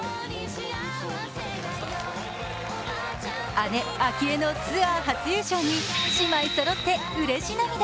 姉・明愛のツアー初優勝に姉妹そろってうれし涙。